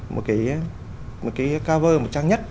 một cái cover một trang nhất